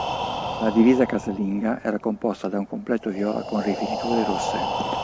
La divisa casalinga era composta da un completo viola con rifiniture rosse.